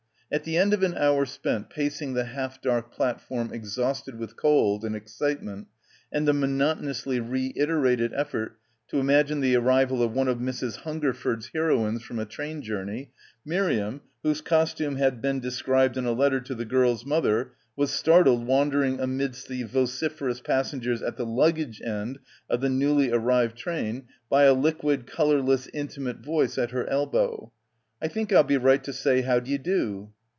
At the end of an hour spent pacing the half dark platform exhausted with cold and excitement and the monotonously reiterated effort to imagine the arrival of one of Mrs. Hungerford's heroines from a train journey, Miriam, whose costume had been described in a letter to the girl's mother, was startled wandering amidst the vociferous passengers at the luggage end of the newly arrived train by a liquid colourless intimate voice at her elbow. "I think I'll be right to say how d'you do."